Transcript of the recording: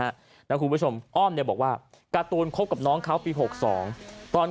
นะคุณผู้ชมอ้อมเนี่ยบอกว่าการ์ตูนคบกับน้องเขาปี๖๒ตอน